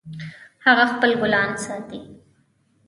هغه خپل ګلان ساتي